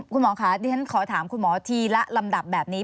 คุณหมอค่ะดิฉันขอถามคุณหมอทีละลำดับแบบนี้